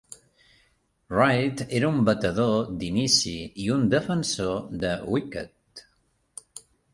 Wright era un batedor d'inici i un defensor de wicket.